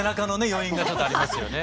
余韻がちょっとありますよね。